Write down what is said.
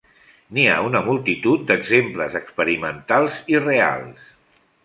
N'hi ha una multitud d'exemples experimentals i reals.